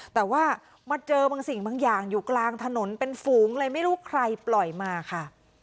แต่ว่ามาเจอบางสิ่งบางอย่างอยู่กลางถนนเป็นฝูงเลยไม่รู้ใครปล่อยมาค่ะ